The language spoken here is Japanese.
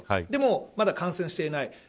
でも、まだ感染していない。